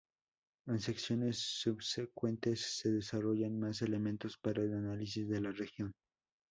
En secciones subsecuentes se desarrollan más elementos para el análisis de la religión.